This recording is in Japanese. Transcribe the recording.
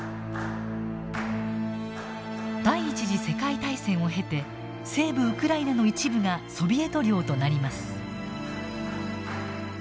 第一次世界大戦を経て西部ウクライナの一部がソビエト領となります。